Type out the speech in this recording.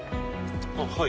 あっはい。